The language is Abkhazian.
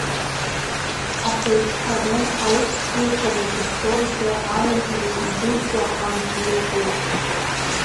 Аха ичҳаны, аус бзиақәа назыгӡо рзы анажьреи идуӡӡоу аҳамҭеи ыҟоуп.